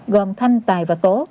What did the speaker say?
gồm thanh tài và tố